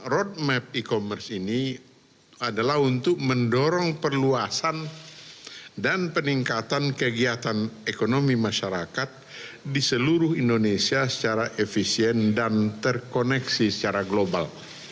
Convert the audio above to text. roadmap e commerce ini adalah untuk mendorong perluasan dan peningkatan kegiatan ekonomi masyarakat di seluruh indonesia secara efisien dan terkoneksi secara global